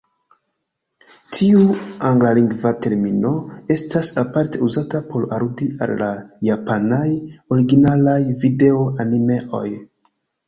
Tiu anglalingva termino estas aparte uzata por aludi al la japanaj originalaj video-animeoj.